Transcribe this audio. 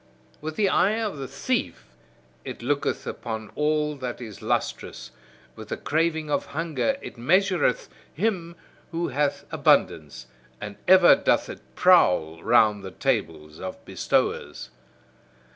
With the eye of the thief it looketh upon all that is lustrous; with the craving of hunger it measureth him who hath abundance; and ever doth it prowl round the tables of bestowers.